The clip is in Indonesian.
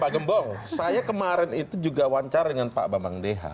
pak gembong saya kemarin itu juga wawancara dengan pak bambang deha